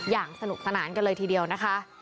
อย่างสนุกสนานกันเลยทีเดียวนะคะ